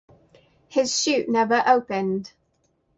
His chute never opened.